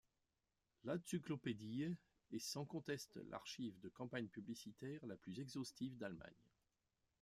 L’AdZyklopädie est sans conteste l’archive de campagnes publicitaires la plus exhaustive d’Allemagne.